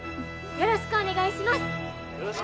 「よろしくお願いします！」。